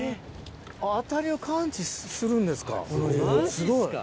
すごい。